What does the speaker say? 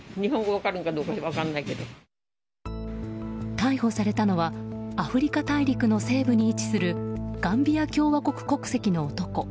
逮捕されたのはアフリカ大陸の西部に位置するガンビア共和国国籍の男。